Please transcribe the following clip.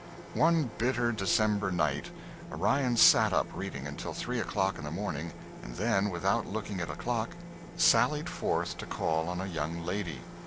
One bitter December night, Orion sat up reading until three o'clock in the morning and then, without looking at a clock, sallied forth to call on a young lady.